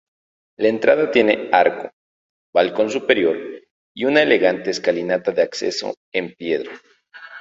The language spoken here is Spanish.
La entrada tiene arco, balcón superior y una elegante escalinata de acceso en piedra.